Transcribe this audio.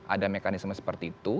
ada mekanisme seperti itu